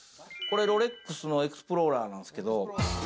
ロレックスのエクスプローラーなんですけど。